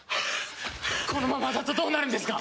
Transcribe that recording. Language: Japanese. このままだとどうなるんですか！？